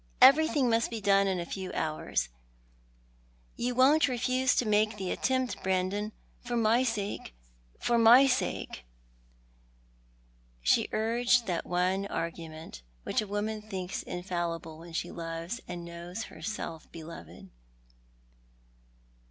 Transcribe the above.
Everything must be done in a few hours. You won't refuse to make the attempt, Brandon, for my sake, for my sake." She urged that one argument Mhich a woman thinks infallible when she loves and knows herself beloved.